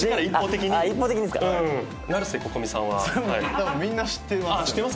多分みんな知ってます。